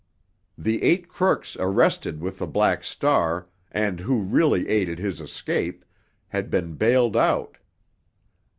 The eight crooks arrested with the Black Star, and who really aided his escape, had been bailed out.